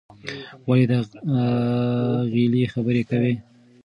ولې د غېلې خبرې کوې؟